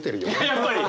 やっぱり！